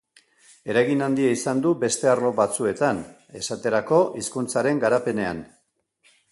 Eragin handia izan du beste arlo batzuetan, esaterako, hizkuntzaren garapenean.